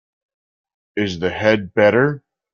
Is the head better?